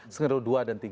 skenario dua dan tiga